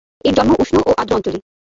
এর জন্ম উষ্ণ ও আর্দ্র অঞ্চলে।